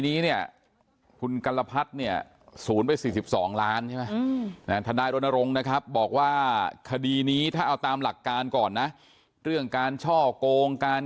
เนี่ยพุทธกรรมพัฏเนี่ยสูญไป๔๒ล้าน๐๑ในทนาศะตรงนะครับบอกว่าคดีนี้ถ้าเอาตามหลักการก่อนนะเรื่องการช่อกงการ